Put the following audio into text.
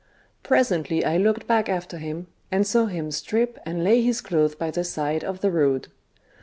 Presently I looked back after him, and saw him strip and lay his clothes by the side of the road.